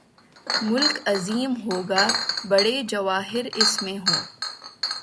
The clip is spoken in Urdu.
ملک عظیم ہو گا، بڑے جواہر اس میں ہوں۔